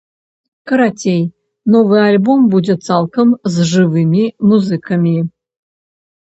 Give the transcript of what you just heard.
Карацей, новы альбом будзе цалкам з жывымі музыкамі.